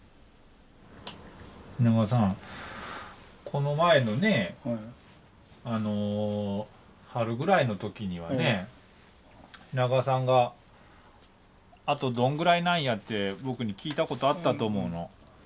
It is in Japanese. この前のねえ春ぐらいの時にはね品川さんが「あとどんぐらいなんや」って僕に聞いたことあったと思うの。